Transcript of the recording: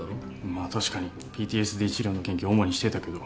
まあ確かにＰＴＳＤ治療の研究を主にしてたけど。